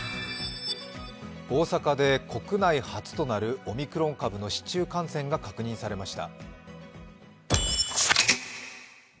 大阪で国内初となるオミクロン株の市中感染が確認されました。